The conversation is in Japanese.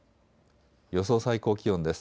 予想最高気温です。